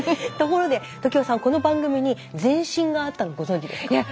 ところで常盤さんこの番組に前身があったのご存じですか？